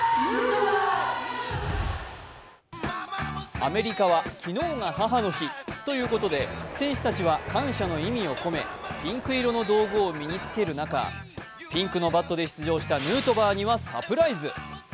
アメリカは昨日が母の日ということで選手たちは感謝の意味を込めピンク色の道具を身に着ける中、ピンクのバットで出場したヌートバーにはサプライズ。